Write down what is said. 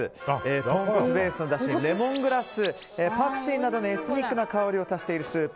豚骨ベースのだしにレモングラス、パクチーなどのエスニックな香りを足しているスープ。